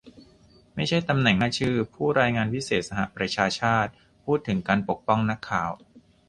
ไม่ใช่ตำแหน่งหน้าชื่อ ผู้รายงานพิเศษสหประชาชาติพูดถึงการปกป้องนักข่าว